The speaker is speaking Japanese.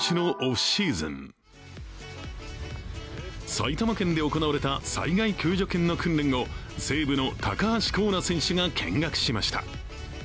埼玉県で行われた災害救助犬の訓練を西武の高橋光成選手が見学しました。